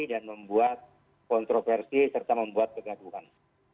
dan membuat kontroversi serta membuat kegaguan